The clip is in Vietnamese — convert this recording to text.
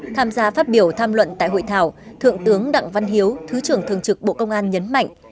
tham gia phát biểu tham luận tại hội thảo thượng tướng đặng văn hiếu thứ trưởng thường trực bộ công an nhấn mạnh